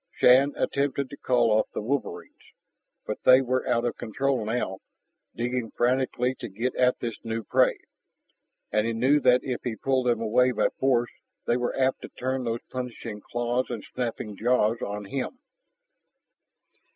Shann attempted to call off the wolverines, but they were out of control now, digging frantically to get at this new prey. And he knew that if he pulled them away by force, they were apt to turn those punishing claws and snapping jaws on him.